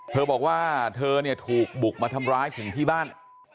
เธอบอกว่าเธอเนี่ยถูกบุกมาทำร้ายถึงที่บ้าน